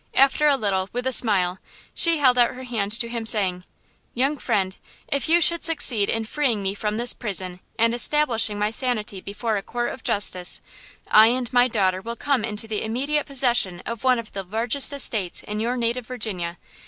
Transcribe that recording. After a little, with a smile, she held out her hand to him, saying: "Young friend, if you should succeed in freeing me from this prison and establishing my sanity before a court of justice, I and my daughter will come into the immediate possession of one of the largest estates in your native Virginia!